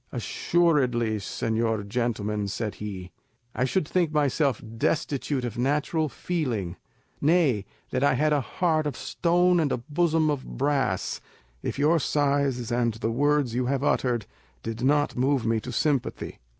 "Assuredly, señor gentleman," said he, "I should think myself destitute of natural feeling—nay, that I had a heart of stone and a bosom of brass—if your sighs and the words you have uttered did not move me to sympathy.